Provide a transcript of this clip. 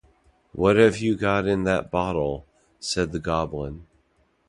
“What have you got in that bottle?” said the goblin.